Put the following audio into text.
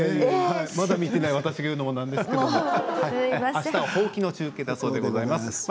まだ見ていない私が言うのもなんですけどあしたはほうきの中継だそうです。